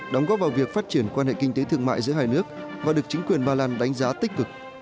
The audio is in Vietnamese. đóng góp vào việc phát triển quan hệ kinh tế thương mại giữa hai nước và được chính quyền ba lan đánh giá tích cực